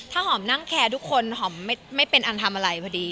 ถ้าหอมนั่งแคร์ทุกคนหอมไม่เป็นอันทำอะไรพอดี